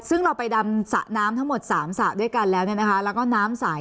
ซึ่งเราไปดำสระน้ำทั้งหมด๓สระด้วยกันแล้วแล้วก็น้ำใส